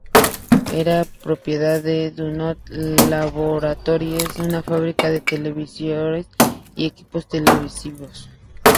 Era propiedad de DuMont Laboratories, una fábrica de televisores y equipos televisivos.